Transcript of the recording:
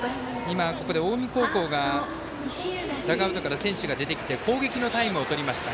ここで近江高校がダグアウトから選手が出てきて攻撃のタイムをとりました。